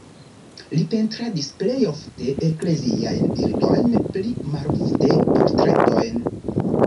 Li pentradis plej ofte ekleziajn bildojn, pli malofte portretojn.